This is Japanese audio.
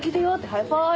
バイバイ。